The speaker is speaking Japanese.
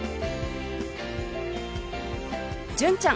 純ちゃん